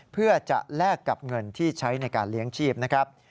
เพื่อจะแลกกับเงินที่ใช้ในการเลี้ยงชีพนะครับ